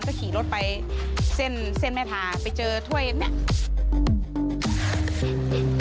ก็ขี่รถไปเส้นเส้นแม่ทาไปเจอถ้วยเนี่ย